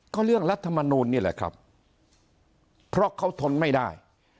ก็เรื่องรัฐมนูลนี่แหละครับเพราะเขาทนไม่ได้